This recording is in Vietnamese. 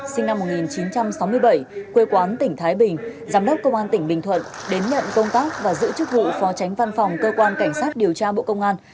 sinh năm một nghìn chín trăm sáu mươi bảy quê quán tỉnh thái bình giám đốc công an tỉnh bình thuận đến nhận công tác và giữ chức vụ phó tránh văn phòng cơ quan cảnh sát điều tra bộ công an